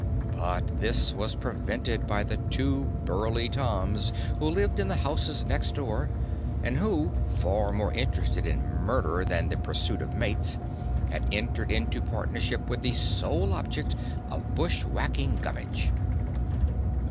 But this was prevented by the two burly toms who lived in the houses next door and who, far more interested in murder than the pursuit of mates, had entered into partnership with the sole object of bushwacking Gummitch.